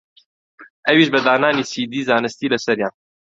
ئەویش بە دانانی سیدی زانستی لەسەریان